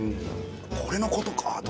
これのことかあと思って。